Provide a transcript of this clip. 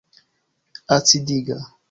Acidiga.